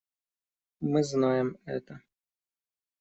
Мы знаем это.